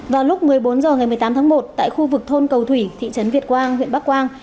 vào lúc một mươi bốn h ngày một mươi tám tháng một tại khu vực thôn cầu thủy thị trấn việt quang huyện bắc quang